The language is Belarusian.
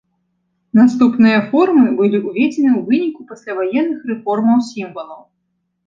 Наступныя формы былі ўведзены ў выніку пасляваенных рэформаў сімвалаў.